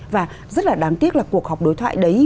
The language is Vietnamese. và rất là đáng tiếc là cuộc họp đối thoại đấy